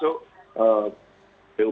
saya mau kembali mengenai kecalon